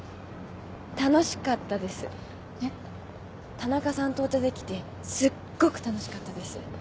田中さんとお茶できてすっごく楽しかったです。